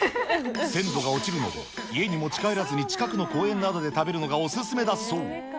鮮度が落ちるので、家に持ち帰らずに、近くの公園などで食べるのがお勧めだそう。